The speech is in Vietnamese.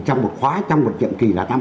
trong một khóa trong một nhiệm kỳ là năm